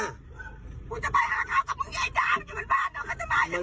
เร็วเข้า